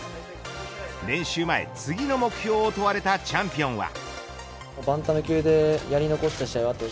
練習前、次の目標を問われたチャンピオンは。